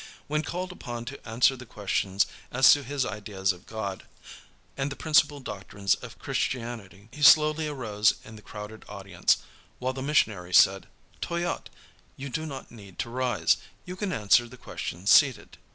When called upon to answer the questions as to his ideas of God, and the principal doctrines of Christianity, he slowly arose in the crowded audience, while the missionary said, "Toyatte, you do not need to rise. You can answer the questions seated."